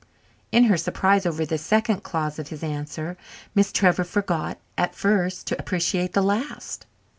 In her surprise over the second clause of his answer, Miss Trevor forgot, at first, to appreciate the last.